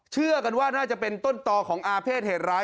เชื่อกันว่าน่าจะเป็นต้นต่อของอาเภษเหตุร้าย